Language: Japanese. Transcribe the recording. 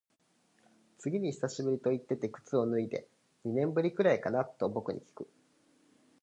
次に久しぶりと言ってて靴を脱いで、二年ぶりくらいかなと僕にきく。